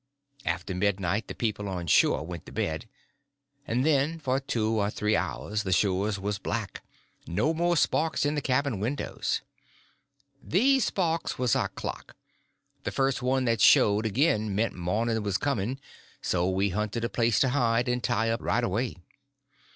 After midnight the people on shore went to bed, and then for two or three hours the shores was black—no more sparks in the cabin windows. These sparks was our clock—the first one that showed again meant morning was coming, so we hunted a place to hide and tie up right away.